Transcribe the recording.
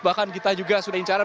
bahkan kita juga sudah incaran